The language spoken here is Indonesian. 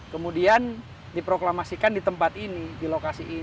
kemudian diproklamasikan di tempat ini di lokasi ini